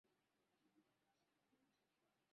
na kwamba wako pale kwa maslahi yao binafsi